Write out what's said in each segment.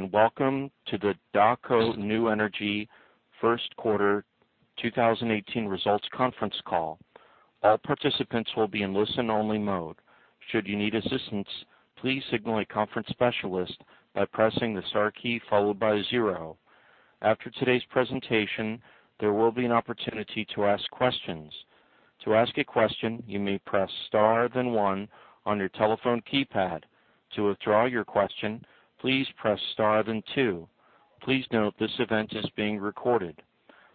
Good day, welcome to the Daqo New Energy first quarter 2018 results conference call. All participants will be in listen-only mode. Should you need assistance, please signal a conference specialist by pressing the star key followed by zero. After today's presentation, there will be an opportunity to ask questions. To ask a question, you may press star, then one on your telephone keypad. To withdraw your question, please press star, then two. Please note this event is being recorded.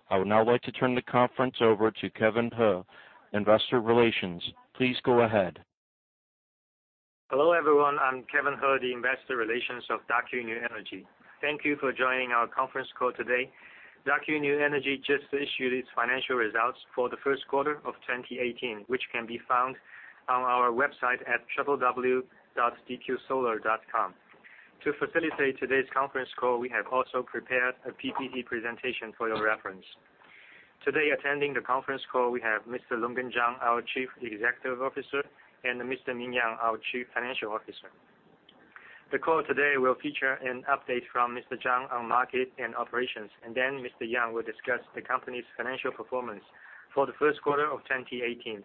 I would now like to turn the conference over to Kevin He, Investor Relations. Please go ahead. Hello, everyone. I'm Kevin He, the Investor Relations of Daqo New Energy. Thank you for joining our conference call today. Daqo New Energy just issued its financial results for the first quarter of 2018, which can be found on our website at www.dqsolar.com. To facilitate today's conference call, we have also prepared a PPT presentation for your reference. Today attending the conference call, we have Mr. Longgen Zhang, our Chief Executive Officer, and Mr. Ming Yang, our Chief Financial Officer. The call today will feature an update from Mr. Zhang on market and operations, and then Mr. Ming Yang will discuss the company's financial performance for the first quarter of 2018.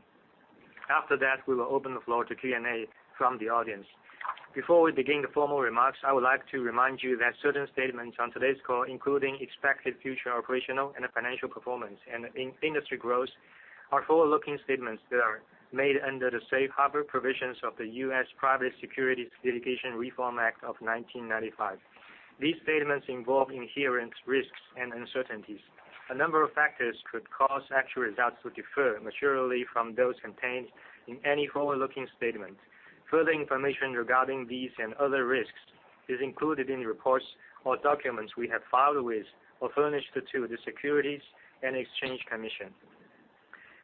After that, we will open the floor to Q&A from the audience. Before we begin the formal remarks, I would like to remind you that certain statements on today's call, including expected future operational and financial performance and in-industry growth, are forward-looking statements that are made under the safe harbor provisions of the U.S. Private Securities Litigation Reform Act of 1995. These statements involve inherent risks and uncertainties. A number of factors could cause actual results to differ materially from those contained in any forward-looking statement. Further information regarding these and other risks is included in reports or documents we have filed with or furnished to the Securities and Exchange Commission.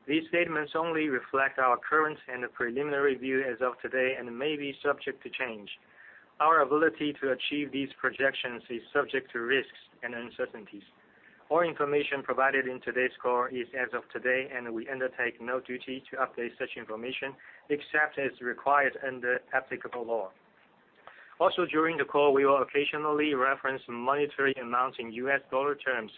These statements only reflect our current and preliminary view as of today and may be subject to change. Our ability to achieve these projections is subject to risks and uncertainties. All information provided in today's call is as of today, and we undertake no duty to update such information, except as required under applicable law. Also, during the call, we will occasionally reference monetary amounts in U.S. dollar terms.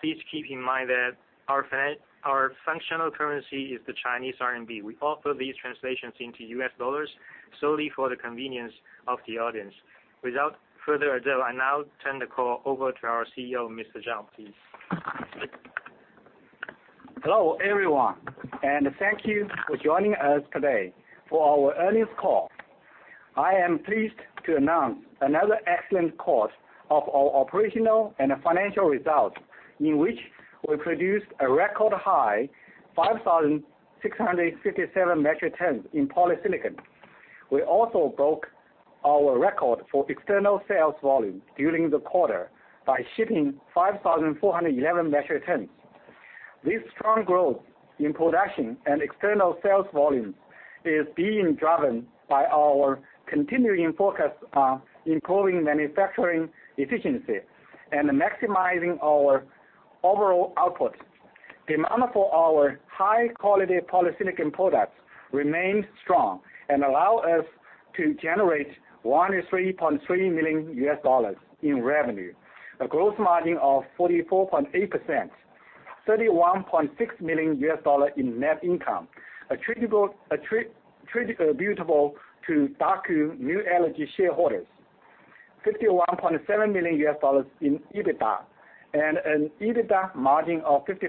Please keep in mind that our functional currency is the Chinese RMB. We offer these translations into US dollars solely for the convenience of the audience. Without further ado, I now turn the call over to our CEO, Mr. Zhang, please. Hello, everyone, and thank you for joining us today for our earnings call. I am pleased to announce another excellent quarter of our operational and financial results, in which we produced a record high 5,657 metric tons in polysilicon. We also broke our record for external sales volume during the quarter by shipping 5,411 metric tons. This strong growth in production and external sales volume is being driven by our continuing focus on improving manufacturing efficiency and maximizing our overall output. Demand for our high-quality polysilicon products remained strong and allow us to generate $13.3 million in revenue. A gross margin of 44.8%. $31.6 million in net income, attributable to Daqo New Energy shareholders. $51.7 million in EBITDA and an EBITDA margin of 50%.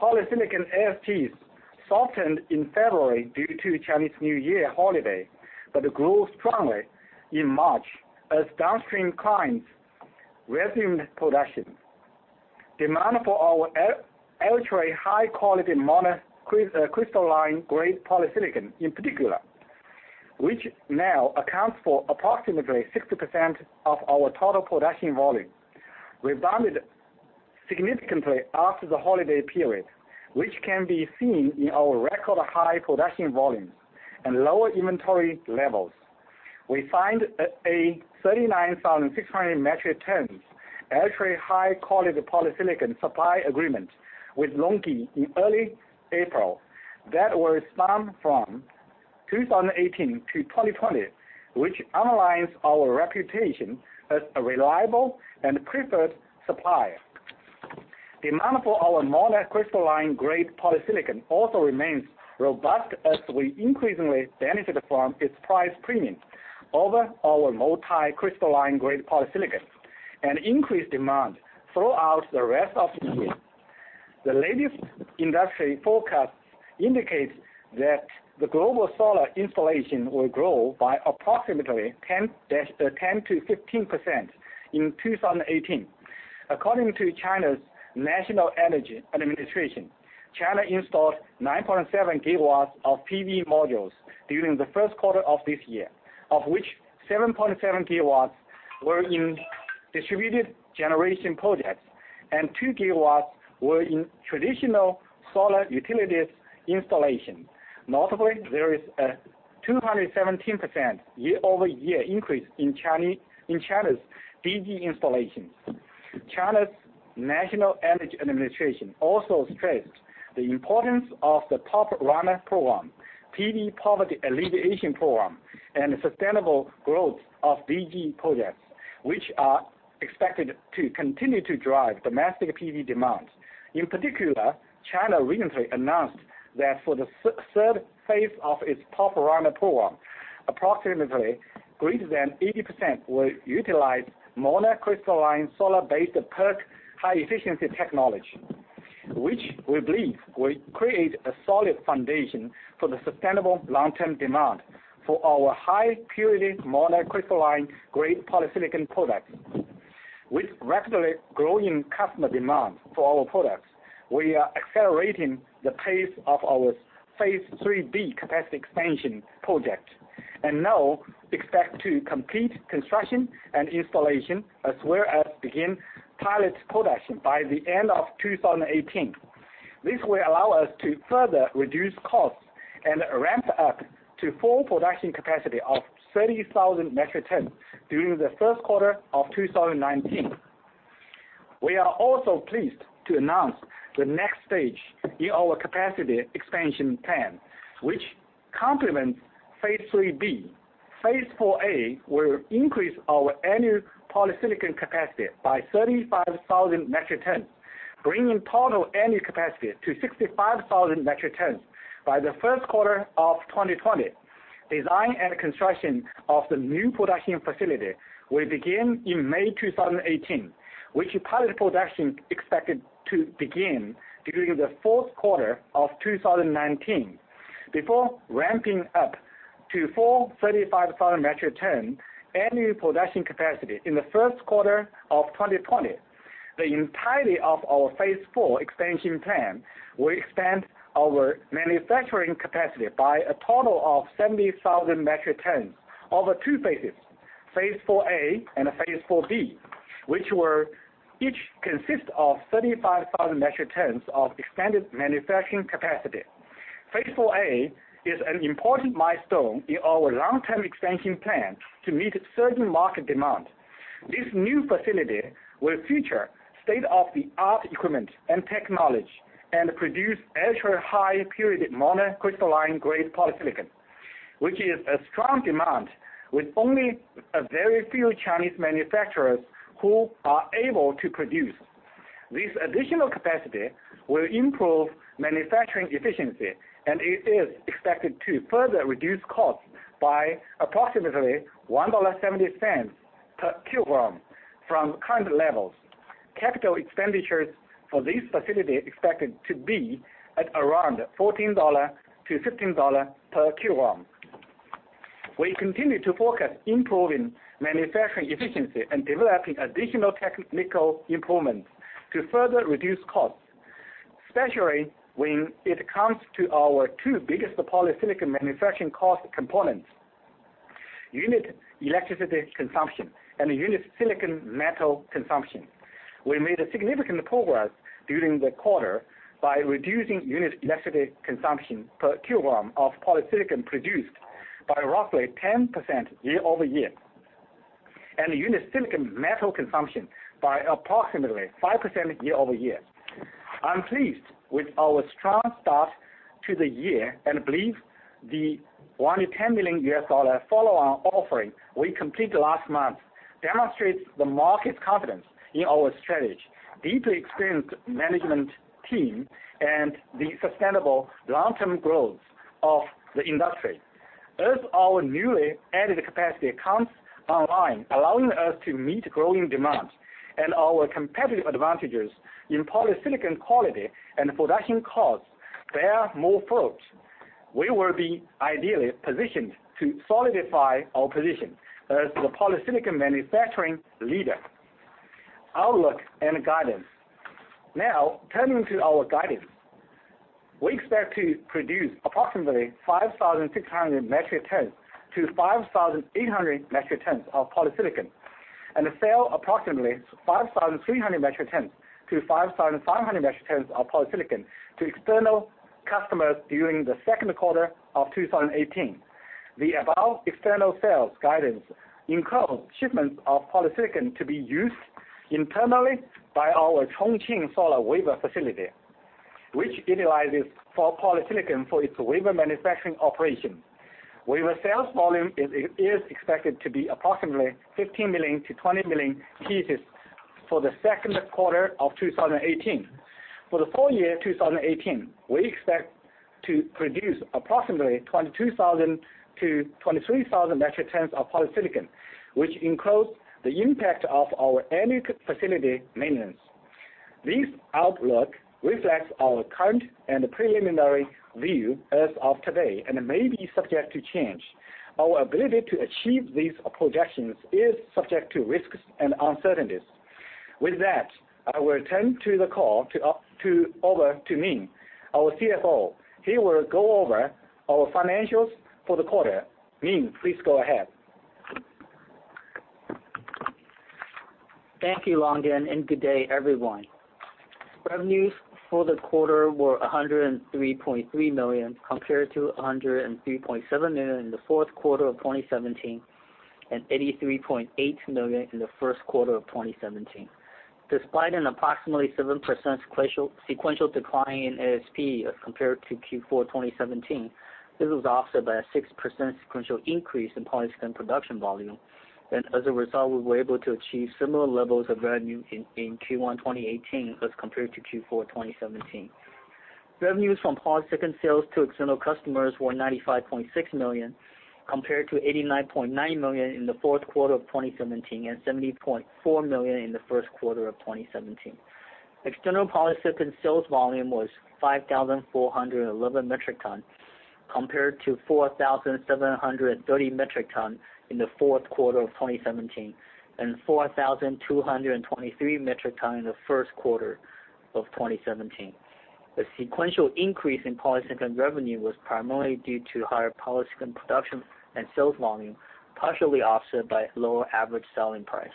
Polysilicon ASPs softened in February due to Chinese New Year holiday, but grew strongly in March as downstream clients resumed production. Demand for our ultra-high quality monocrystalline-grade polysilicon in particular, which now accounts for approximately 60% of our total production volume, rebounded significantly after the holiday period, which can be seen in our record high production volumes and lower inventory levels. We signed a 39,600 metric tons ultra-high quality polysilicon supply agreement with LONGi in early April. That will span from 2018 to 2020, which underlines our reputation as a reliable and preferred supplier. Demand for our monocrystalline-grade polysilicon also remains robust as we increasingly benefit from its price premium over our multicrystalline-grade polysilicon and increased demand throughout the rest of the year. The latest industry forecast indicates that the global solar installation will grow by approximately 10%-15% in 2018. According to China's National Energy Administration, China installed 9.7 GW of PV modules during the Q1 of this year, of which 7.7 GW were in distributed generation projects and 2 GW were in traditional solar utilities installation. Notably, there is a 217% year-over-year increase in China's DG installations. China's National Energy Administration also stressed the importance of the Top Runner program, PV poverty alleviation program, and sustainable growth of DG projects, which are expected to continue to drive domestic PV demands. In particular, China recently announced that for the third phase of its Top Runner Program, approximately greater than 80% will utilize monocrystalline solar-based PERC high-efficiency technology, which we believe will create a solid foundation for the sustainable long-term demand for our high-purity monocrystalline-grade polysilicon products. With rapidly growing customer demand for our products, we are accelerating the pace of our phase III-B capacity expansion project, and now expect to complete construction and installation, as well as begin pilot production by the end of 2018. This will allow us to further reduce costs and ramp up to full production capacity of 30,000 metric tons during the 1st quarter of 2019. We are also pleased to announce the next stage in our capacity expansion plan, which complements phase III-B. Phase IV-A will increase our annual polysilicon capacity by 35,000 metric tons, bringing total annual capacity to 65,000 metric tons by the first quarter of 2020. Design and construction of the new production facility will begin in May 2018, with pilot production expected to begin during the fourth quarter of 2019 before ramping up to full 35,000 metric tons annual production capacity in the first quarter of 2020. The entirety of our phase IV expansion plan will expand our manufacturing capacity by a total of 70,000 metric tons over two phases, phase IV-A and phase IV-B, which will each consist of 35,000 metric tons of expanded manufacturing capacity. Phase IV-A is an important milestone in our long-term expansion plan to meet certain market demand. This new facility will feature state-of-the-art equipment and technology and produce ultra-high purity monocrystalline-grade polysilicon, which is a strong demand with only a very few Chinese manufacturers who are able to produce. This additional capacity will improve manufacturing efficiency, and it is expected to further reduce costs by approximately CNY 1.70 per kg from current levels. Capital expenditures for this facility expected to be at around CNY 14-CNY 15 per kilogram. We continue to focus improving manufacturing efficiency and developing additional technical improvements to further reduce costs, especially when it comes to our two biggest polysilicon manufacturing cost components, unit electricity consumption and unit silicon metal consumption. We made a significant progress during the quarter by reducing unit electricity consumption per kilogram of polysilicon produced by roughly 10% year-over-year, and unit silicon metal consumption by approximately 5% year-over-year. I'm pleased with our strong start to the year and believe the $110 million follow-on offering we completed last month demonstrates the market confidence in our strategy, deeply experienced management team, and the sustainable long-term growth of the industry. As our newly added capacity comes online, allowing us to meet growing demand and our competitive advantages in polysilicon quality and production costs bear more fruit, we will be ideally positioned to solidify our position as the polysilicon manufacturing leader. Outlook and guidance. Now, turning to our guidance. We expect to produce approximately 5,600-5,800 metric tons of polysilicon and sell approximately 5,300-5,500 metric tons of polysilicon to external customers during the second quarter of 2018. The above external sales guidance includes shipments of polysilicon to be used internally by our Chongqing solar wafer facility, which utilizes polysilicon for its wafer manufacturing operation. Wafer sales volume is expected to be approximately 15 million-20 million pieces for the second quarter of 2018. For the full year 2018, we expect to produce approximately 22,000-23,000 metric tons of polysilicon, which includes the impact of our annual facility maintenance. This outlook reflects our current and preliminary view as of today and may be subject to change. Our ability to achieve these projections is subject to risks and uncertainties. With that, I will turn the call over to Ming, our CFO. He will go over our financials for the quarter. Ming, please go ahead. Thank you, Longgen, and good day, everyone. Revenues for the quarter were 103.3 million compared to 103.7 million in the fourth quarter of 2017 and 83.8 million in the first quarter of 2017. Despite an approximately 7% sequential decline in ASP as compared to Q4 2017, this was offset by a 6% sequential increase in polysilicon production volume. As a result, we were able to achieve similar levels of revenue in Q1 2018 as compared to Q4 2017. Revenues from polysilicon sales to external customers were 95.6 million, compared to 89.9 million in the fourth quarter of 2017 and 70.4 million in the first quarter of 2017. External polysilicon sales volume was 5,411 metric ton, compared to 4,730 metric ton in the fourth quarter of 2017 and 4,223 metric ton in the first quarter of 2017. The sequential increase in polysilicon revenue was primarily due to higher polysilicon production and sales volume, partially offset by lower average selling price.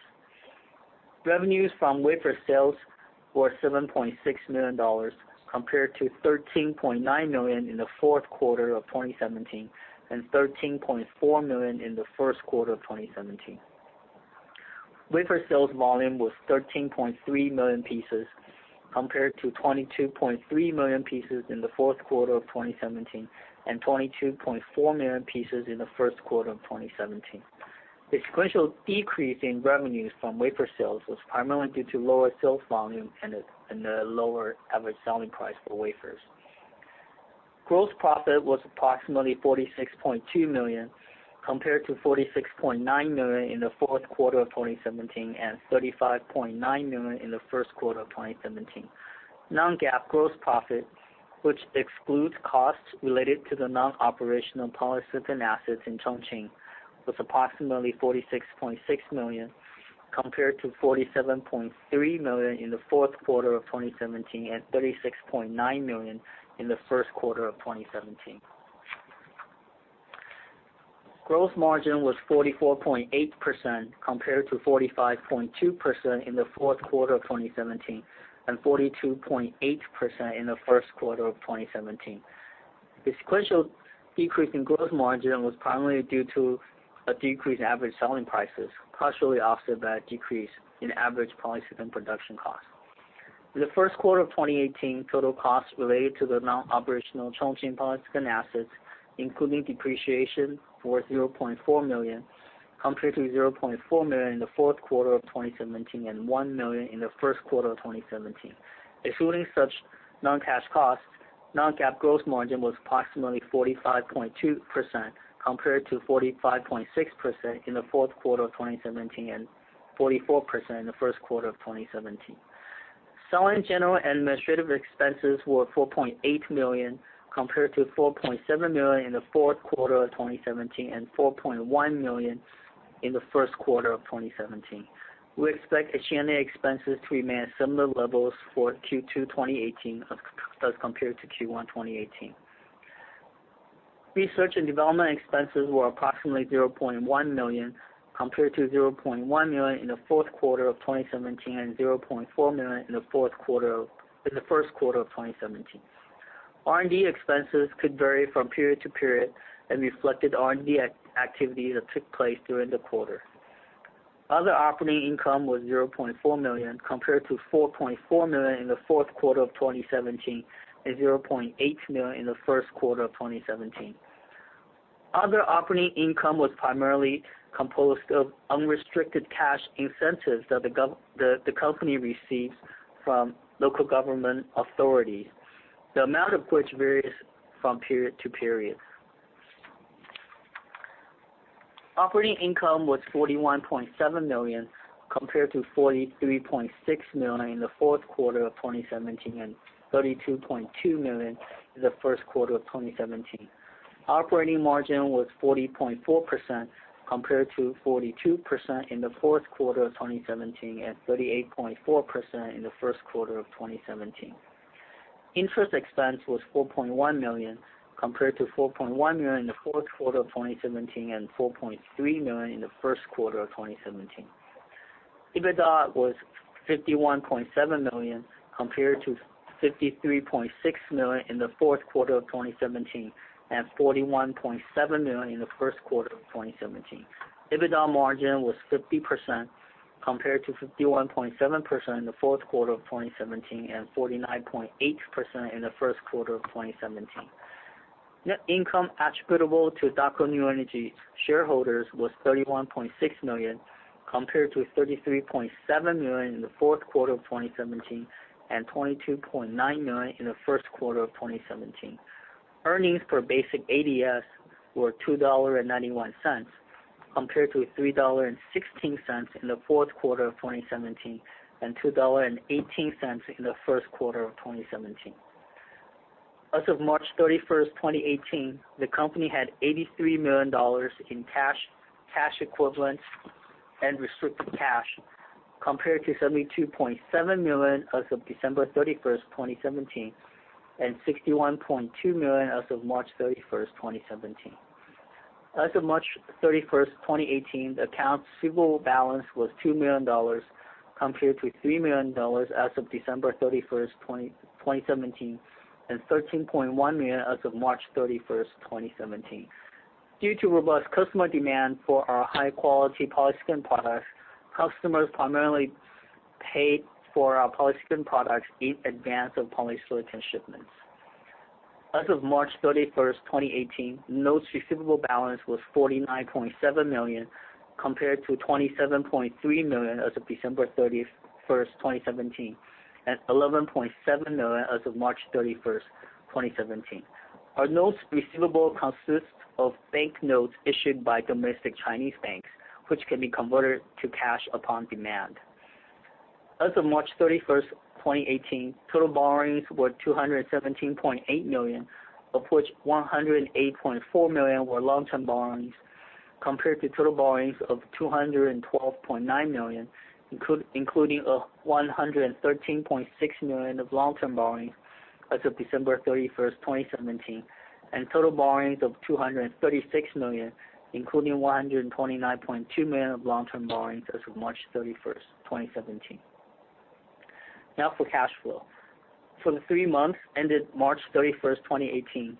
Revenues from wafer sales were $7.6 million, compared to $13.9 million in the fourth quarter of 2017 and $13.4 million in the first quarter of 2017. Wafer sales volume was 13.3 million pieces, compared to 22.3 million pieces in the fourth quarter of 2017 and 22.4 million pieces in the first quarter of 2017. The sequential decrease in revenues from wafer sales was primarily due to lower sales volume and a lower average selling price for wafers. Gross profit was approximately 46.2 million, compared to 46.9 million in the fourth quarter of 2017 and 35.9 million in the first quarter of 2017. Non-GAAP gross profit, which excludes costs related to the non-operational polysilicon assets in Chongqing, was approximately 46.6 million, compared to 47.3 million in the fourth quarter of 2017 and 36.9 million in the first quarter of 2017. Gross margin was 44.8% compared to 45.2% in the fourth quarter of 2017 and 42.8% in the first quarter of 2017. The sequential decrease in gross margin was primarily due to a decrease in average selling prices, partially offset by a decrease in average polysilicon production cost. In the first quarter of 2018, total costs related to the non-operational Chongqing polysilicon assets, including depreciation, were 0.4 million, compared to 0.4 million in the fourth quarter of 2017 and 1 million in the first quarter of 2017. Excluding such non-cash costs, non-GAAP gross margin was approximately 45.2% compared to 45.6% in the fourth quarter of 2017 and 44% in the first quarter of 2017. Selling, general, and administrative expenses were 4.8 million, compared to 4.7 million in the fourth quarter of 2017 and 4.1 million in the first quarter of 2017. We expect SG&A expenses to remain at similar levels for Q2 2018 as compared to Q1 2018. Research and development expenses were approximately 0.1 million, compared to 0.1 million in the fourth quarter of 2017 and 0.4 million in the first quarter of 2017. R&D expenses could vary from period to period and reflected R&D activities that took place during the quarter. Other operating income was 0.4 million, compared to 4.4 million in the fourth quarter of 2017 and 0.8 million in the first quarter of 2017. Other operating income was primarily composed of unrestricted cash incentives that the company receives from local government authorities, the amount of which varies from period to period. Operating income was 41.7 million, compared to 43.6 million in the fourth quarter of 2017 and 32.2 million in the first quarter of 2017. Operating margin was 40.4%, compared to 42% in the fourth quarter of 2017 and 38.4% in the first quarter of 2017. Interest expense was 4.1 million, compared to 4.1 million in the fourth quarter of 2017 and 4.3 million in the first quarter of 2017. EBITDA was 51.7 million, compared to 53.6 million in the fourth quarter of 2017 and 41.7 million in the first quarter of 2017. EBITDA margin was 50%, compared to 51.7% in the fourth quarter of 2017 and 49.8% in the first quarter of 2017. Net income attributable to Daqo New Energy shareholders was 31.6 million, compared to 33.7 million in the fourth quarter of 2017 and 22.9 million in the first quarter of 2017. Earnings per basic ADS were 2.91 compared to 3.16 in the fourth quarter of 2017 and 2.18 in the first quarter of 2017. As of March 31, 2018, the company had $83 million in cash equivalents, and restricted cash compared to $72.7 million as of December 31, 2017, and $61.2 million as of March 31, 2017. As of March 31, 2018, the accounts receivable balance was $2 million compared to $3 million as of December 31, 2017, and $13.1 million as of March 31, 2017. Due to robust customer demand for our high-quality polysilicon products, customers primarily paid for our polysilicon products in advance of polysilicon shipments. As of March 31, 2018, notes receivable balance was $49.7 million compared to $27.3 million as of December 31, 2017, and $11.7 million as of March 31, 2017. Our notes receivable consists of bank notes issued by domestic Chinese banks, which can be converted to cash upon demand. As of March 31st, 2018, total borrowings were 217.8 million, of which 108.4 million were long-term borrowings compared to total borrowings of 212.9 million, including 113.6 million of long-term borrowings as of December 31st, 2017, and total borrowings of 236 million, including 129.2 million of long-term borrowings as of March 31st, 2017. Now for cash flow. For the three months ended March 31st, 2018,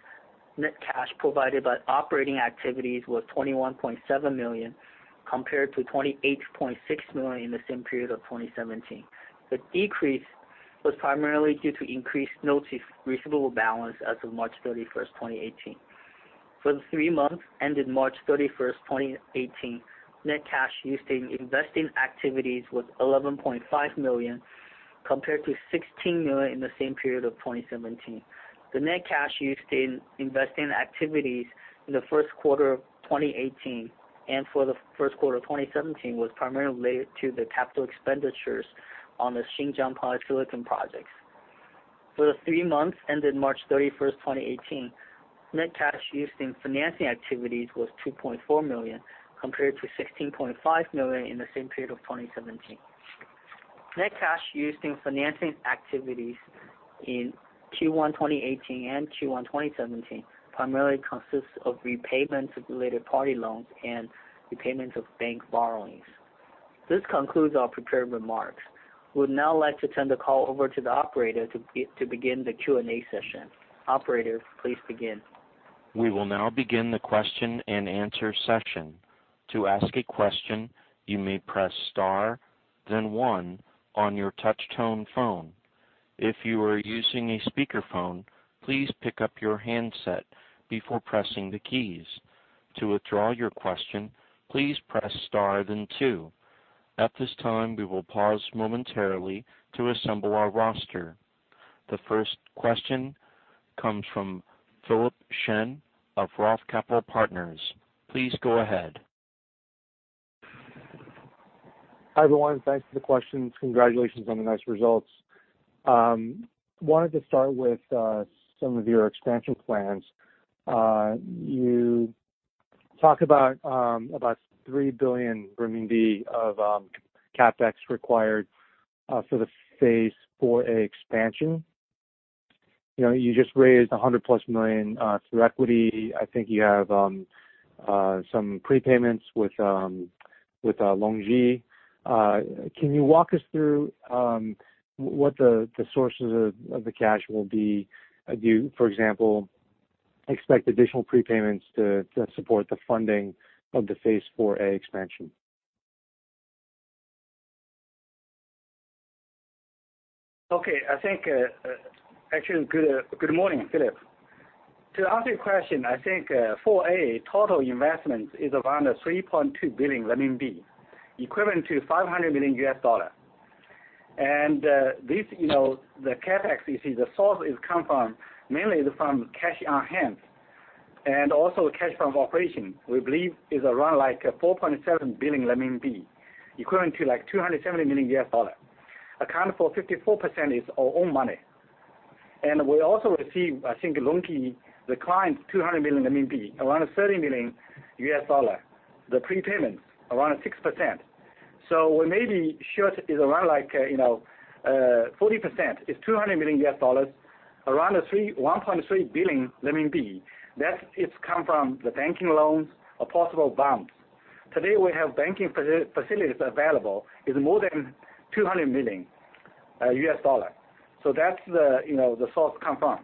net cash provided by operating activities was 21.7 million compared to 28.6 million in the same period of 2017. The decrease was primarily due to increased notes receivable balance as of March 31, 2018. For the three months ended March 31, 2018, net cash used in investing activities was 11.5 million compared to 16 million in the same period of 2017. The net cash used in investing activities in the first quarter of 2018 and for the first quarter of 2017 was primarily related to the capital expenditures on the Xinjiang polysilicon projects. For the three months ended March 31, 2018, net cash used in financing activities was 2.4 million compared to 16.5 million in the same period of 2017. Net cash used in financing activities in Q1 2018 and Q1 2017 primarily consists of repayments of related party loans and repayments of bank borrowings. This concludes our prepared remarks. We would now like to turn the call over to the operator to begin the Q&A session. Operator, please begin. The first question comes from Philip Shen of Roth Capital Partners. Please go ahead. Hi, everyone. Thanks for the questions. Congratulations on the nice results. Wanted to start with some of your expansion plans. You talk about 3 billion of CapEx required for the phase IV-A expansion. You know, you just raised 100+ million through equity. I think you have some prepayments with LONGi. Can you walk us through what the sources of the cash will be? Do you, for example, expect additional prepayments to support the funding of the phase IV-A expansion? Okay. I think, actually good mor ning, Philip. To answer your question, I think, phase IV-A total investment is around 3.2 billion RMB, equivalent to $500 million. This, you know, the CapEx, you see the source is come from mainly from cash on hand and also cash from operation. We believe is around like 4.7 billion renminbi, equivalent to like $270 million. Account for 54% is our own money. We also receive, I think LONGi, the client, 200 million RMB, around $30 million, the prepayments around 6%. We may be short is around like, you know, 40% is $200 million, around 1.3 billion. That is come from the banking loans or possible bonds. Today, we have banking facilities available is more than $200 million. That's the, you know, the source come from.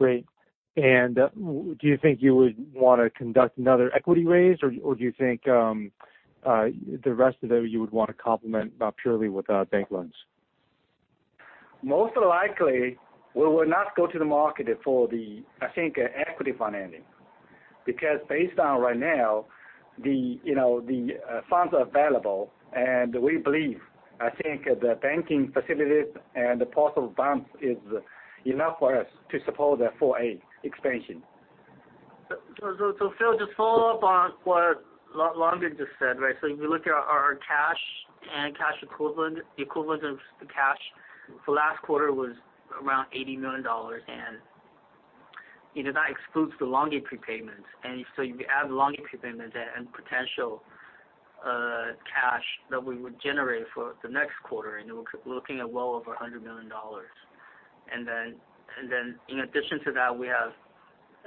Great. Do you think you would wanna conduct another equity raise, or do you think the rest of it you would want to complement purely with bank loans? Most likely we will not go to the market for the, I think, equity financing. Because based on right now, the, you know, the funds are available, and we believe, I think the banking facilities and the possible bonds is enough for us to support the phase IV-A expansion. Phil, just follow up on what Longgen just said, right? If you look at our cash and cash equivalent, the equivalent of the cash for last quarter was around $80 million. You know, that excludes the LONGi prepayments. If you add LONGi prepayments and potential Cash that we would generate for the next quarter, we're looking at well over CNY 100 million. In addition to that, we have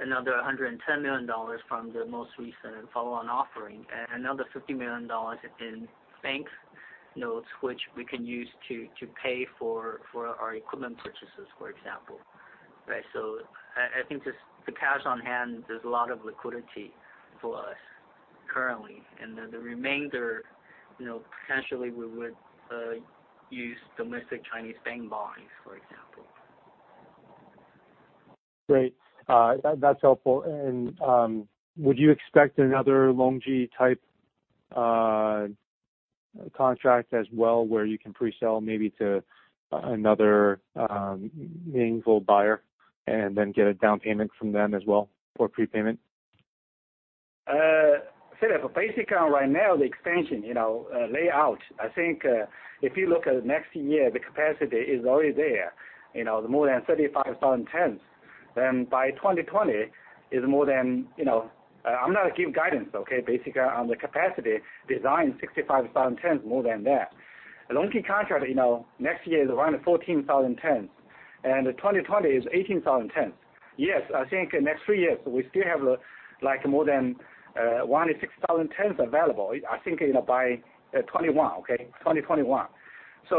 another CNY 110 million from the most recent follow-on offering, and another CNY 50 million in bank notes, which we can use to pay for our equipment purchases, for example. I think just the cash on hand, there's a lot of liquidity for us currently. The remainder, you know, potentially we would use domestic Chinese bank bonds, for example. Great. That's helpful. Would you expect another LONGi type contract as well, where you can pre-sell maybe to another meaningful buyer and then get a down payment from them as well, or prepayment? Philip, basically right now, the expansion, you know, layout, I think, if you look at next year, the capacity is already there. You know, more than 35,000 tons. By 2020 is more than, you know I'm not give guidance, okay. Basically, on the capacity design, 65,000 tons more than that. Longi contract, you know, next year is around 14,000 tons, and the 2020 is 18,000 tons. Yes, I think next three years we still have, like, more than 16,000 tons available, I think, you know, by 2021, okay? 2021.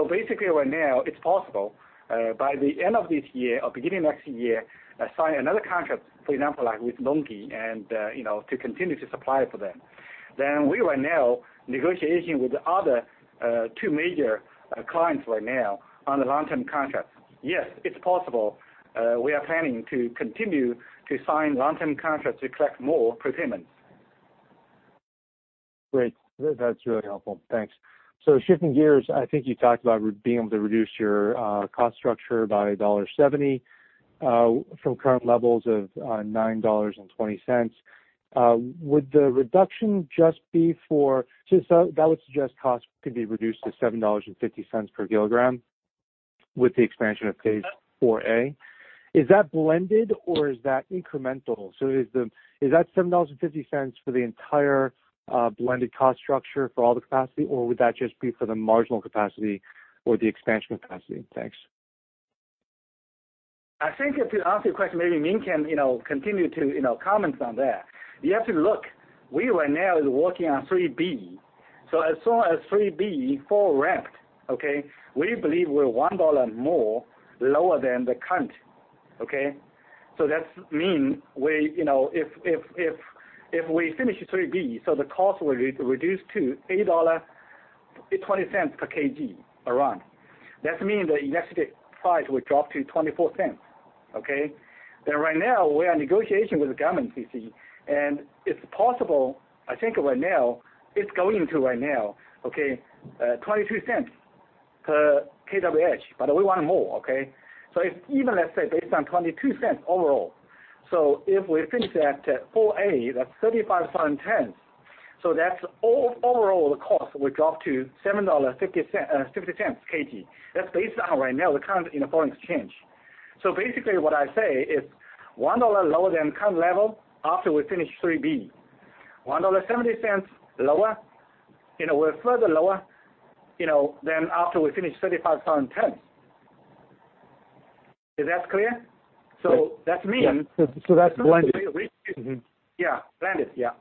Basically right now it's possible, by the end of this year or beginning of next year, assign another contract, for example, like with Longi and, you know, to continue to supply for them. We right now negotiation with the other two major clients right now on the long-term contract. Yes, it's possible. We are planning to continue to sign long-term contract to collect more prepayments. Great. That's really helpful. Thanks. Shifting gears, I think you talked about being able to reduce your cost structure by $1.70 from current levels of $9.20. That would suggest costs could be reduced to $7.50 per kilogram with the expansion of phase IV-A. Is that blended or is that incremental? Is that $7.50 for the entire blended cost structure for all the capacity, or would that just be for the marginal capacity or the expansion capacity? Thanks. I think to answer your question, maybe Ming can, you know, continue to, you know, comment on that. You have to look, we right now is working on phase III-B. As soon as phase III-B full ramped, we believe we're CNY 1 more lower than the current. That's mean we, you know, if we finish phase III-B, so the cost will re-reduce to CNY 8.20 per kg around. That mean the electricity price will drop to 0.24. Right now we are negotiation with the government, you see. It's possible, I think right now it's going to right now, 0.22 per kWh, but we want more. If even let's say based on 0.22 overall, so if we finish that phase IV-A, that's 35,000 tons, that's overall the cost will drop to CNY 7.50 kg. That's based on right now the current, you know, foreign exchange. Basically what I say is CNY 1 lower than current level after we finish phase III-B. 1.70 lower, you know, we're further lower, you know, than after we finish 35,000 tons. Is that clear? That mean. Yeah. That's blended. Yeah, blended. Yeah.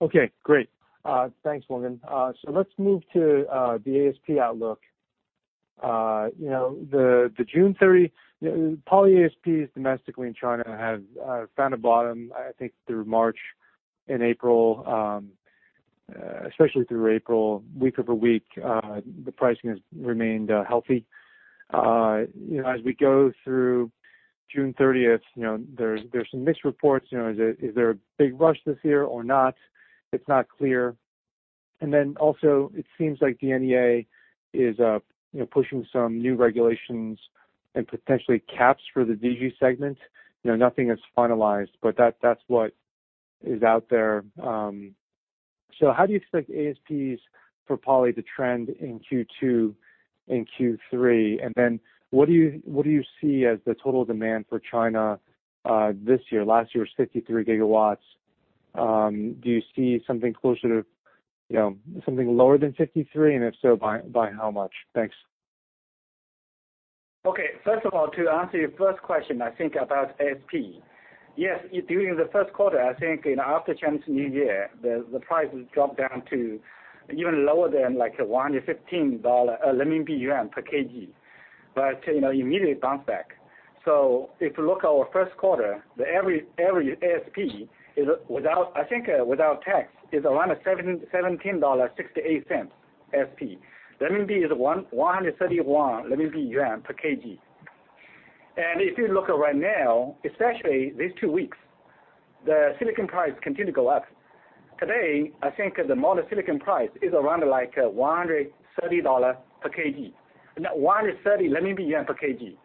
Okay, great. Thanks, Longgen. Let's move to the ASP outlook. You know, the June 30 poly ASPs domestically in China have found a bottom, I think, through March and April, especially through April, week over week, the pricing has remained healthy. You know, as we go through June 30th, you know, there's some mixed reports, you know, is there a big rush this year or not? It's not clear. Also it seems like the NEA is, you know, pushing some new regulations and potentially caps for the DG segment. You know, nothing is finalized, but that's what is out there. How do you expect ASPs for poly to trend in Q2 and Q3? What do you see as the total demand for China this year? Last year was 53 GW. Do you see something closer to, you know, something lower than 53 GW? If so, by how much? Thanks. First of all, to answer your first question, I think about ASP. Yes, during the first quarter, I think, you know, after Chinese New Year, the price dropped down to even lower than like 115 renminbi yuan per kg. You know, immediately bounced back. If you look our first quarter, the every ASP is without, I think, without tax, is around 17.68 yuan ASP. Renminbi is 131 renminbi yuan per kg. If you look at right now, especially these two weeks, the silicon price continue to go up. Today, I think the mono silicon price is around like CNY 130 per kg. No, 130 renminbi yuan per kg.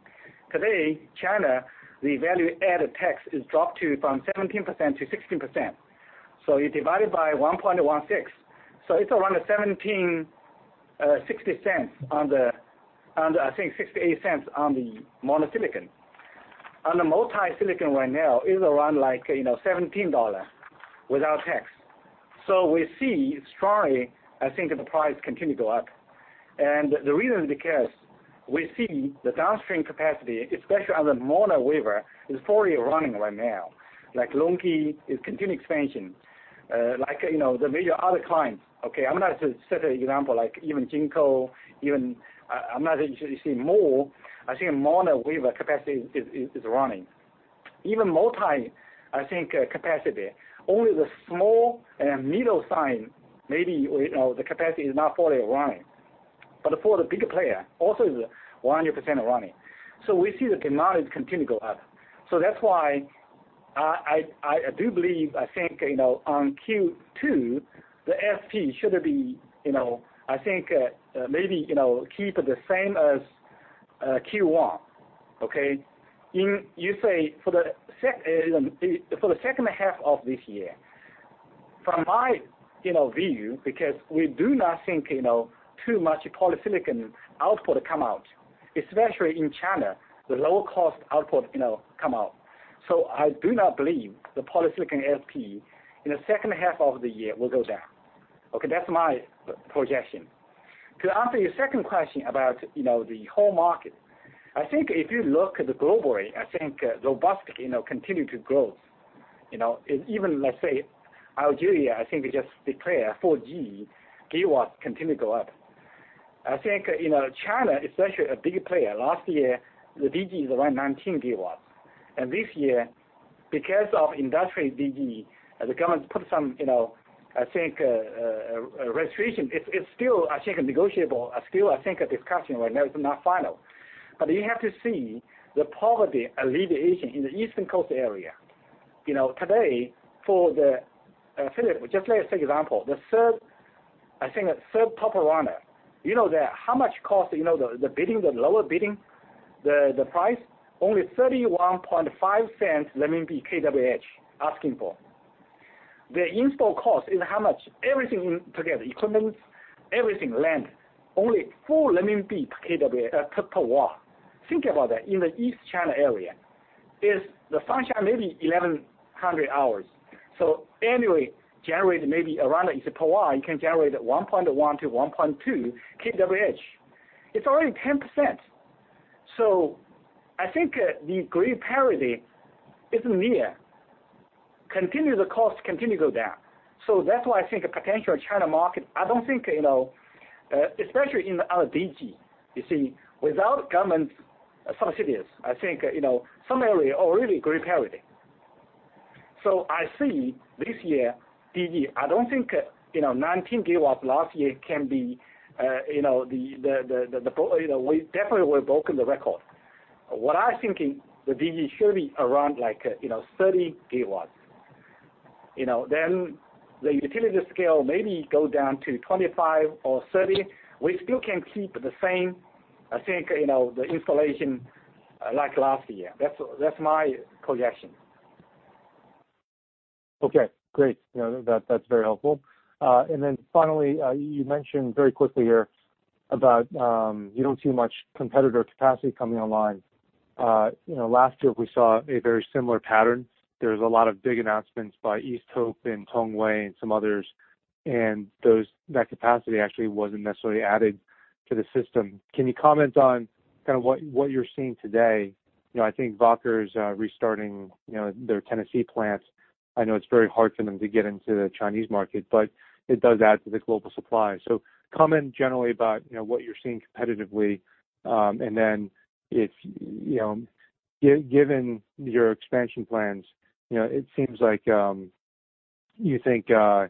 Today, China, the value-added tax is dropped to from 17% to 16%. You divide it by 1.16. It's around $17, $0.60 on the, I think $0.68 on the mono silicon. On the multi-silicon right now is around like, you know, $17 without tax. We see strongly, I think that the price continue to go up. The reason because we see the downstream capacity, especially on the mono wafer is fully running right now. Like LONGi is continuing expansion. Like, you know, the major other clients, okay? I'm not just set an example like even JinkoSolar, even I'm not actually seeing more. I think more the wafer capacity is running. Even multi, I think, capacity. Only the small and middle size, maybe we you know, the capacity is not fully running. For the bigger player also is a 100% running. We see the demand continue to go up. That's why I do believe, you know, on Q2, the SP should be, you know, maybe, you know, keep it the same as Q1. Okay. For the second half of this year, from my, you know, view, because we do not think, you know, too much polysilicon output come out, especially in China, the low-cost output, you know, come out. I do not believe the polysilicon SP in the second half of the year will go down. Okay, that's my projection. To answer your second question about, you know, the whole market. If you look at the globally, robust, you know, continue to growth, you know. Even let's say Algeria, I think they just declare 4 GW continue to go up. I think, you know, China, especially a big player, last year, the DG is around 19 GW. This year, because of industrial DG, the government put some, you know, I think, restriction. It's still actually negotiable. Still I think a discussion right now, it's not final. You have to see the poverty alleviation in the eastern coast area. You know, today, for the Philip, just let's take example. The third, I think the third Top Runner, you know that how much cost, you know, the bidding, the lower bidding, the price? Only 0.315/kWh asking for. The install cost is how much? Everything in together, equipments, everything, land, only 4 per kW, per watt. Think about that, in the East China area. Is the sunshine maybe 1,100 hours. Annually generate maybe around it's per watt, you can generate 1.1 kWh to 1.2 kWh. It's only 10%. I think the grid parity is near. Continue the cost, continue to go down. That's why I think the potential China market, I don't think, you know, especially in, on DG, you see, without government subsidies, I think, you know, some area are really grid parity. I see this year, DG, I don't think, you know, 19 GW last year can be, you know, the, you know, we definitely we've broken the record. What I think is the DG should be around like, you know, 30 GW. You know, then the utility scale maybe go down to 25 GW or 30 GW. We still can keep the same, I think, you know, the installation, like last year. That's my projection. Okay, great. You know, that's very helpful. You mentioned very quickly here about you don't see much competitor capacity coming online. You know, last year we saw a very similar pattern. There was a lot of big announcements by East Hope and Tongwei and some others, that capacity actually wasn't necessarily added to the system. Can you comment on kind of what you're seeing today? You know, I think Wacker is restarting, you know, their Tennessee plants. I know it's very hard for them to get into the Chinese market, it does add to the global supply. Comment generally about, you know, what you're seeing competitively. Given your expansion plans, it seems like you think some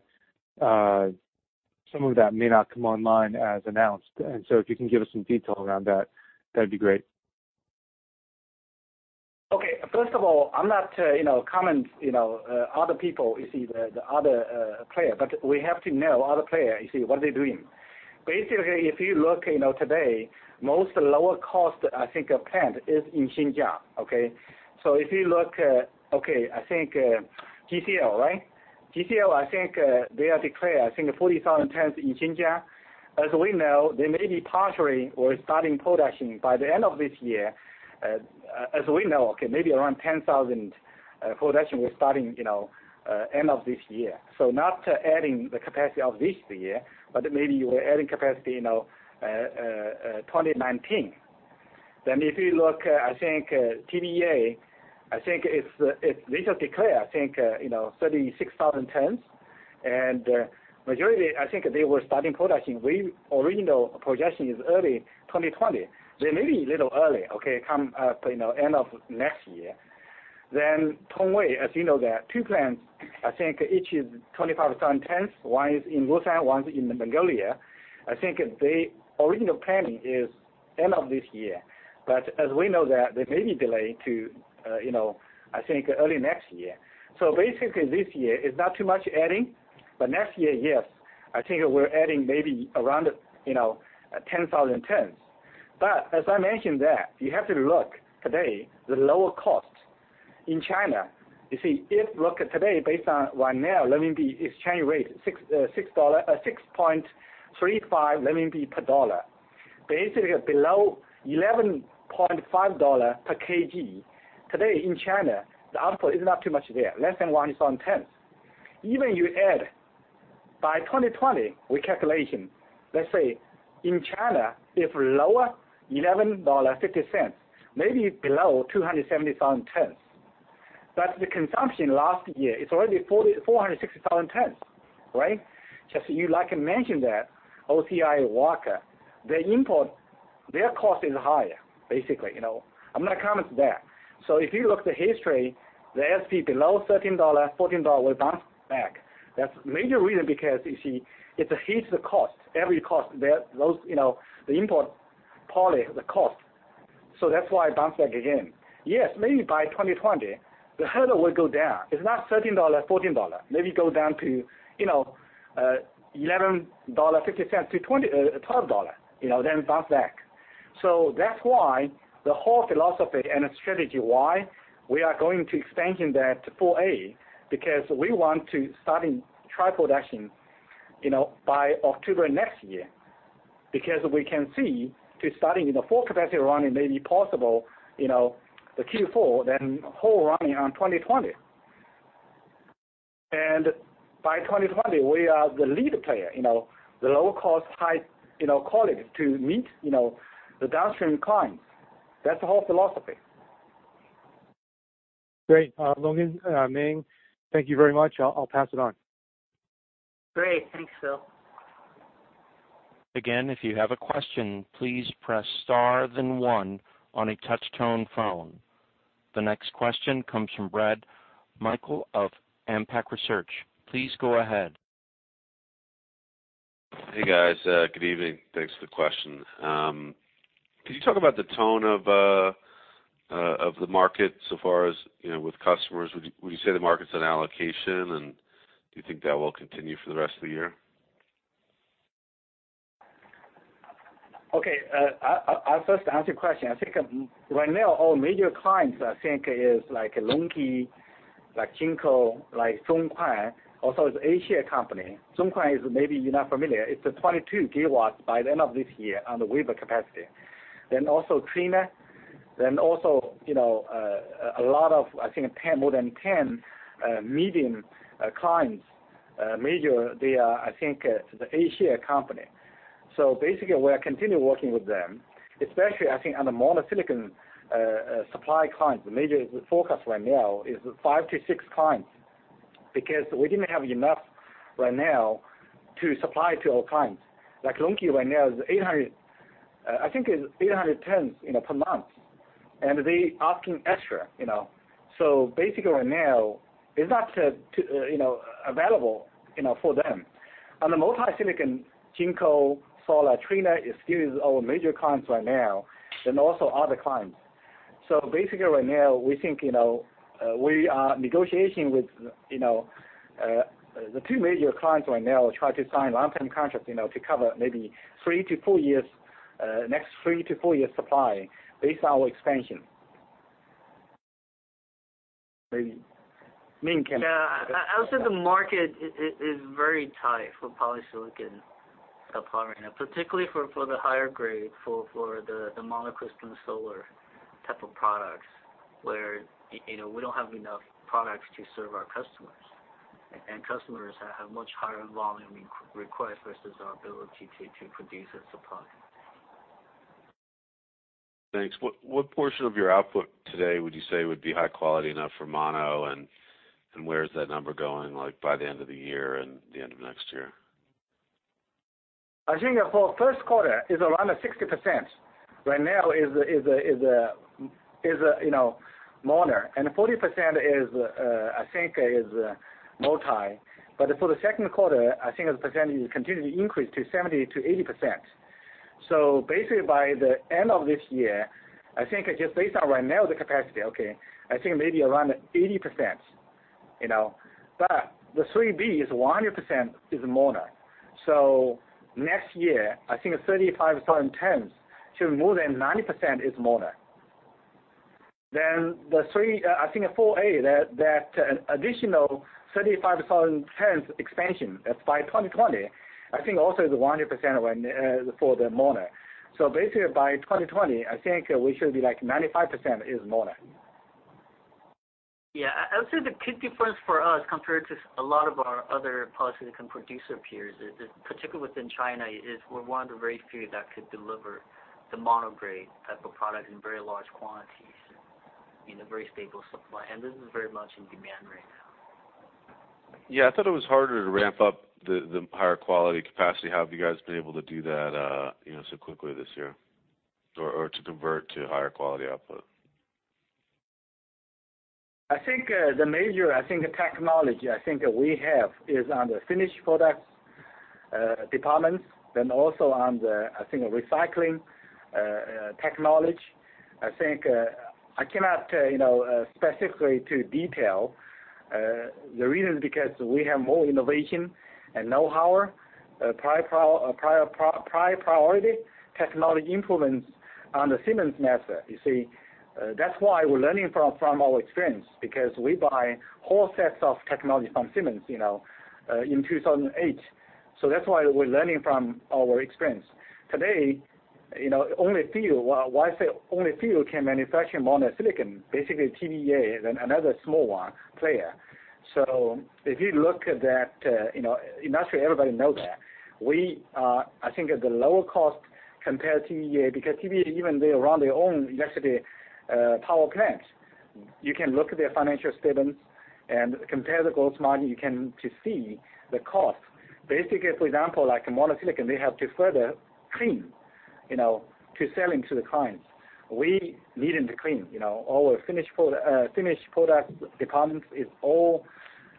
of that may not come online as announced. If you can give us some detail around that'd be great. Okay. First of all, I'm not, you know, comment, you know, other people, you see, the other player. We have to know other player, you see, what are they doing. Basically, if you look, you know, today, most lower cost, I think, plant is in Xinjiang. Okay? If you look, okay, I think, GCL, right? GCL, I think, they have declared, I think, 40,000 tons in Xinjiang. As we know, they may be partnering or starting production by the end of this year. As we know, okay, maybe around 10,000 production will starting, you know, 2019. If you look, I think TBEA, I think they just declare, I think, you know, 36,000 tons. Majority, I think they were starting production. Our original projection is early 2020. They may be a little early, okay, come, you know, end of next year. Tongwei, as you know, they have 2two plants. I think each is 25,000 tons. One is in Xinjiang, one is in Mongolia. I think they original planning is end of this year. As we know that there may be delay to, you know, I think early next year. Basically this year is not too much adding, but next year, yes, I think we're adding maybe around, you know, 10,000 tons. As I mentioned that you have to look today the lower cost in China, you see, if look at today based on right now RMB exchange rate, 6.35 per dollar. Basically below CNY 11.5 per kg. Today in China, the output is not too much there, less than 1,000 tons. Even you add by 2020, we calculation, let's say, in China, if lower CNY 11.50, maybe below 270,000 tons. The consumption last year, it's already 460,000 tons, right? Just you like mentioned that OCI Wacker, their import, their cost is higher, basically, you know. I'm not comment to that. If you look the history, the ASP below CNY 13, CNY 14 will bounce back. That's major reason because you see it hits the cost, every cost that those, you know, the import polysilicon, the cost. That's why it bounce back again. Yes, maybe by 2020, the hurdle will go down. It's not CNY 13, CNY 14. Maybe go down to, you know, 11.50 to CNY 12, you know, then bounce back. That's why the whole philosophy and the strategy why we are going to expansion that to phase IV-A, because we want to starting try production, you know, by October next year. Because we can see to starting, you know, full capacity running may be possible, you know, the Q4, then whole running on 2020. By 2020, we are the lead player, you know, the lower cost, high, you know, quality to meet, you know, the downstream clients. That's the whole philosophy. Great. Longgen, Ming, thank you very much. I'll pass it on. Great. Thanks, Phil. Again, if you have a question, please press star then one on a touch-tone phone. The next question comes from Brad Meikle of AMPAC Research. Please go ahead. Hey, guys. Good evening. Thanks for the question. Could you talk about the tone of the market so far as, you know, with customers? Would you say the market's on allocation, and do you think that will continue for the rest of the year? Okay. I'll first answer your question. I think right now all major clients like LONGi, like JinkoSolar, like Zhonghuan, also is A-share company. Zhonghuan is maybe you're not familiar. It's a 22 GW by the end of this year on the wafer capacity. Also Trina Solar, you know, a lot of, more than 10 medium clients, major they are, the A-share company. We are continue working with them, especially I think on the monocrystalline supply clients. The major focus right now is five to six clients because we didn't have enough right now to supply to all clients. Like LONGi right now is 800 tons, you know, per month, and they asking extra, you know. Basically right now it's not to, you know, available, you know, for them. On the polysilicon, JinkoSolar Trina Solar is still our major clients right now, also other clients. Basically right now we think, you know, we are negotiation with, you know, the two major clients right now try to sign long-term contract, you know, to cover maybe three to four years, next three to four years supply based on our expansion. Maybe Ming can- Yeah. I would say the market is very tight for polysilicon supply right now, particularly for the higher grade, for the monocrystalline solar type of products, where, you know, we don't have enough products to serve our customers. Customers have much higher volume request versus our ability to produce and supply. Thanks. What portion of your output today would you say would be high quality enough for mono, and where is that number going, like, by the end of the year and the end of next year? I think for first quarter is around 60% right now is, you know, monocrystalline. 40% is, I think, multicrystalline. For the second quarter, I think the percentage will continue to increase to 70%-80%. Basically, by the end of this year, I think just based on right now the capacity, okay, I think maybe around 80%, you know. Phase III-B is 100% monocrystalline. Next year, I think 35,000 tons should more than 90% is monocrystalline. I think phase IV-A, that additional 35,000 tons expansion, that's by 2020, I think also is 100% when for the monocrystalline. Basically, by 2020, I think we should be like 95% is monocrystalline. I would say the key difference for us compared to a lot of our other polysilicon producer peers is particularly within China. We're one of the very few that could deliver the mono grade type of product in very large quantities in a very stable supply. This is very much in demand right now. Yeah. I thought it was harder to ramp up the higher quality capacity. How have you guys been able to do that, you know, so quickly this year or to convert to higher quality output? I think, the major, I think, technology, I think we have is on the finished products, departments, then also on the, I think, recycling, technology. I think, I cannot, you know, specifically to detail. The reason is because we have more innovation and know-how. Proprietary technology improvements on the Siemens method. You see, that's why we're learning from our experience because we buy whole sets of technology from Siemens, you know, in 2008. That's why we're learning from our experience. Today, you know, only few, well, why say only few can manufacture mono silicon, basically, TBEA and then another small one, player. If you look at that, you know, in that way everybody know that. We are, I think at the lower cost compared to TBEA because TBEA even they run their own power plants. You can look at their financial statements and compare the gross margin to see the cost. For example, like mono silicon, they have to further clean, you know, to selling to the clients. We needn't to clean, you know. All the finished product department is all,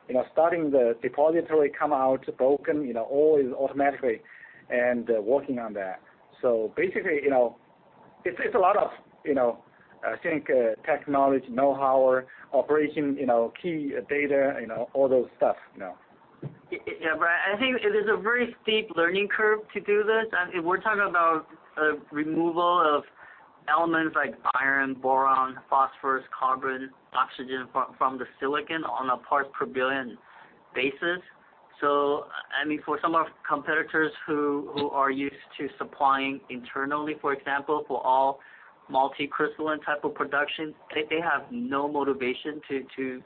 you know, starting the deposition come out broken, you know, all is automatically and working on that. Basically, you know, it's a lot of, you know, I think technology, know-how or operation, you know, key data, you know, all those stuff, you know. Brad, I think it is a very steep learning curve to do this. If we're talking about removal of elements like iron, boron, phosphorus, carbon, oxygen from the silicon on a parts per billion basis. I mean, for some of competitors who are used to supplying internally, for example, for all multicrystalline type of production, they have no motivation to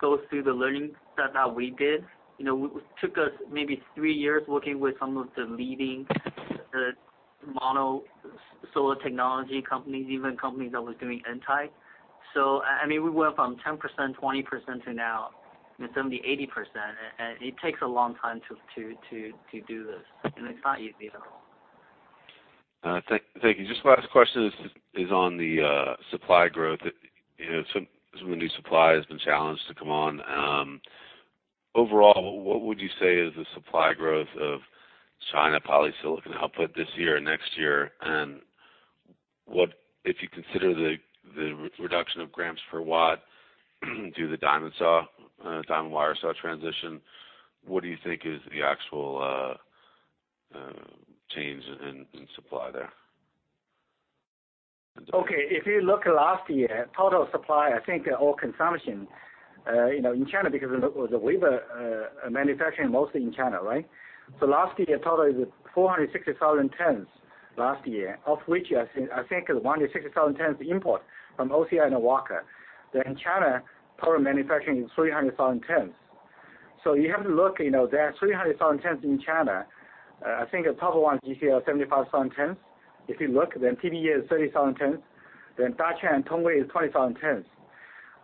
go through the learning stuff that we did. You know, it took us maybe three years working with some of the leading mono solar technology companies, even companies that was doing N-type. I mean, we went from 10%, 20% to now 70%, 80%. It takes a long time to do this. It's not easy at all. Thank you. Just last question is on the supply growth. You know, some of the new supply has been challenged to come on. Overall, what would you say is the supply growth of China polysilicon output this year and next year? What if you consider the reduction of grams per watt through the diamond saw, diamond wire saw transition, what do you think is the actual change in supply there? Okay. If you look at last year, total supply, I think all consumption, you know, in China because the wafer manufacturing mostly in China, right? Last year, total is 460,000 tons last year, of which I think is 160,000 tons import from OCI and Wacker. China, total manufacturing is 300,000 tons. You have to look, you know, there are 300,000 tons in China. I think the top one GCL, 75,000 tons. If you look, TBEA is 30,000 tons. Tongwei is 20,000 tons.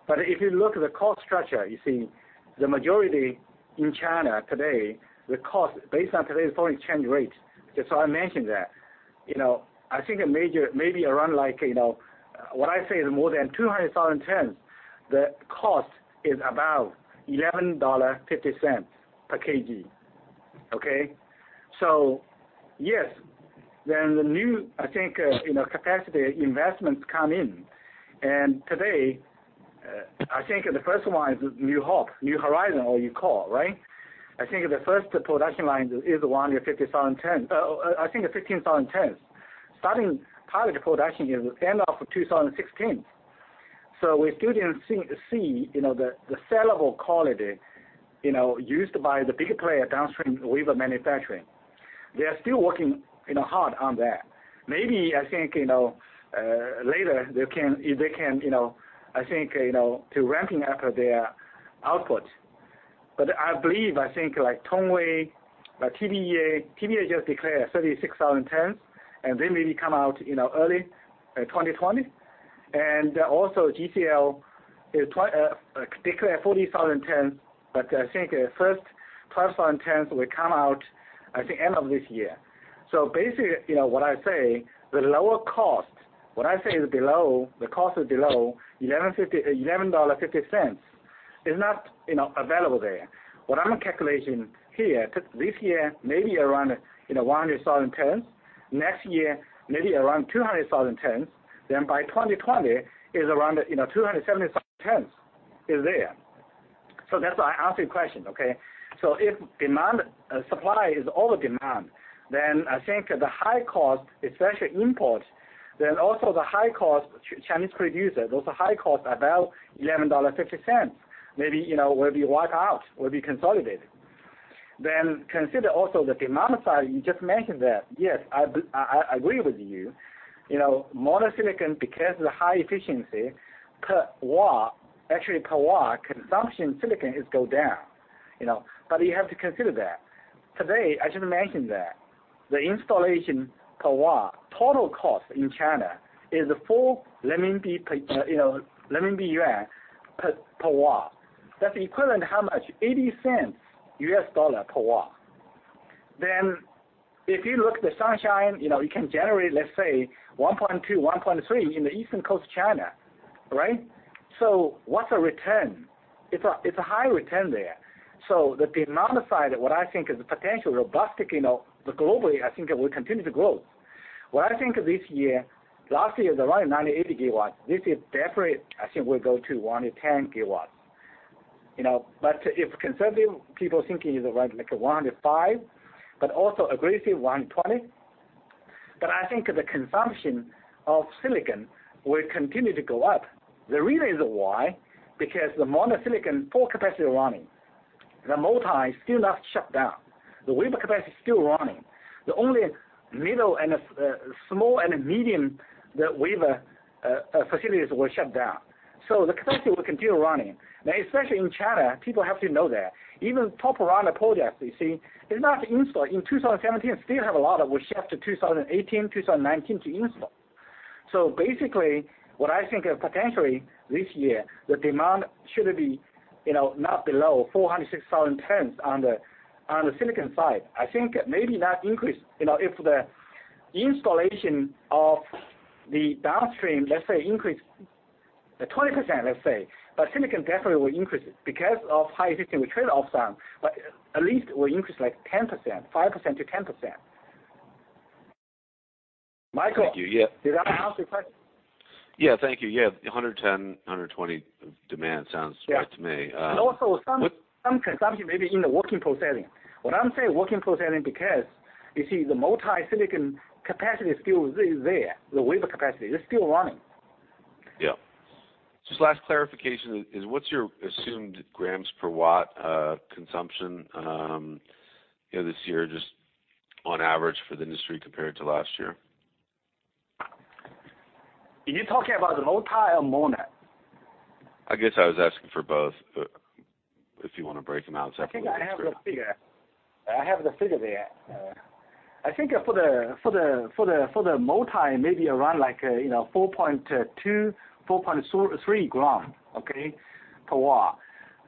If you look at the cost structure, you see the majority in China today, the cost based on today's foreign exchange rate, just so I mentioned that. You know, I think a major, maybe around like, you know, what I say is more than 200,000 tons, the cost is about CNY 11.50 per kg. Okay? Yes, then the new, I think, you know, capacity investments come in. Today, I think the first one is East Hope, New Horizon or you call, right? I think the first production line is 150,000 tons. I think it's 15,000 tons. Starting pilot production is end of 2016. We still didn't see, you know, the sellable quality, you know, used by the bigger player downstream wafer manufacturing. They are still working, you know, hard on that. Maybe, I think, you know, later they can, if they can, you know, I think, you know, to ramping up their output. I believe, I think like Tongwei, TBEA just declared 36,000 tons, and they maybe come out, you know, early 2020. Also GCL is declare 40,000 tons, but I think, first 12,000 tons will come out at the end of this year. Basically, you know, what I say, the lower cost, what I say is below, the cost is below $11.50 is not, you know, available there. What I'm calculating here, this year, maybe around, you know, 100,000 tons. Next year, maybe around 200,000 tons. By 2020 is around, you know, 270,000 tons is there. That's why I ask you a question, okay? If supply is over demand, I think the high cost, especially imports, then also the high cost Chinese producer, those are high cost, about $11.50, maybe, you know, will be wiped out, will be consolidated. Consider also the demand side, you just mentioned that. Yes, I agree with you. You know, mono silicon, because of the high efficiency per watt, actually per watt consumption silicon is go down, you know. You have to consider that. Today, I should mention that the installation per watt total cost in China is 4 renminbi per, you know, renminbi yuan per watt. That's equivalent how much? $0.80 per watt. If you look at the sunshine, you know, you can generate, let's say, 1.2, 1.3 in the eastern coast of China, right? What's the return? It's a high return there. The demand side, what I think is the potential robust, you know, globally, I think it will continue to grow. What I think this year, last year is around 90, 80 GW. This year definitely, I think we'll go to 110 GW. You know, if conservative people thinking is around like 105, also aggressive 120. I think the consumption of silicon will continue to go up. The reason why, because the monocrystalline full capacity running. The multicrystalline is still not shut down. The wafer capacity is still running. The only middle and small and medium, the wafer facilities were shut down. The capacity will continue running. Now, especially in China, people have to know that. Even Top Runner projects, you see, is not installed. In 2017, still have a lot that will shift to 2018, 2019 to install. Basically, what I think potentially this year, the demand should be, you know, not below 406,000 tons on the silicon side. I think maybe that increase, you know, if the installation of the downstream, let's say, increase 20%, let's say, silicon definitely will increase it. Because of high existing trade off some, at least will increase like 10%, 5%-10%. Thank you. Yeah. Did that answer your question? Yeah. Thank you. Yeah. 110, 120 demand sounds right to me. Yeah. Also. With- Some consumption may be in the work-in-process. What I'm saying work-in-process because you see the polysilicon capacity still is there. The wafer capacity is still running. Yeah. Just last clarification is what's your assumed grams per watt consumption, you know, this year just on average for the industry compared to last year? You're talking about the multi or mono? I guess I was asking for both, but if you wanna break them out separately, that's great. I think I have the figure. I have the figure there. I think for the multi, maybe around like, you know, 4.2 g, 4.3 g per watt.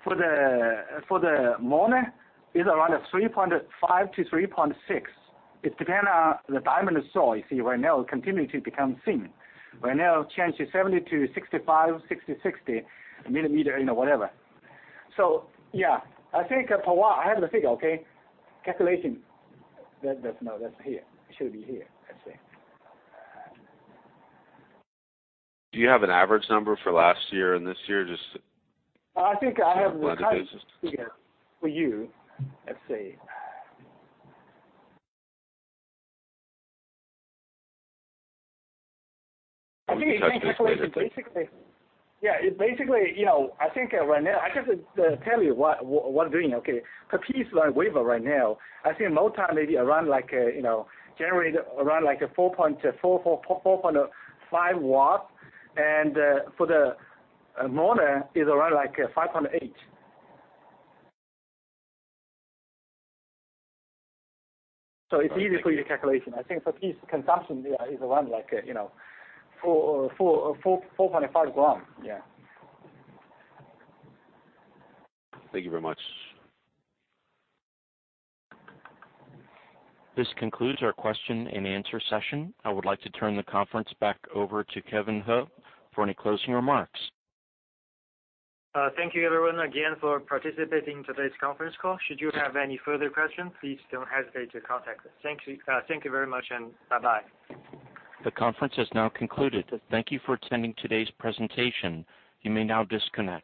For the mono, it's around a 3.5 g to 3.6 g. It depends on the diamond saw, you see, right now continuing to become thin. Right now, change to 70 to 65, 60 millimeter, you know, whatever. Yeah, I think per watt, I have the figure. Calculation. That's here. It should be here. Let's see. Do you have an average number for last year and this year? I think I have- To kind of blend the business. The figure for you. Let's see. Are you checking this later today? I think you can calculate it basically. Yeah, it basically, you know, I think, right now, I just tell you what we're doing, okay? Per piece like wafer right now, I think multi maybe around like, generally around 4.5 W. For the mono is around like 5.8 W. It's easy for you to calculation. I think per piece consumption, yeah, is around like 4.5 g. Yeah. Thank you very much. This concludes our question and answer session. I would like to turn the conference back over to Kevin He for any closing remarks. Thank you everyone again for participating in today's conference call. Should you have any further questions, please don't hesitate to contact us. Thank you very much, and bye-bye. The conference has now concluded. Thank you for attending today's presentation. You may now disconnect.